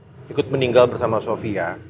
dan tama juga ikut meninggal bersama sofia